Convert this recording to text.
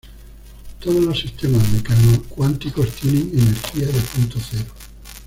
Todos los sistemas mecano-cuánticos tienen "energía de punto cero".